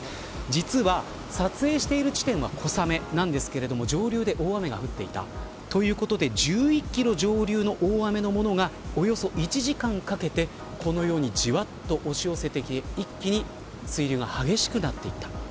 実は撮影している地点は小雨なんですが上流で大雨が降っていたということで１１キロ上流の大雨のものがおよそ１時間かけてこのようにじわっと押し寄せて一気に水流が激しくなっていった。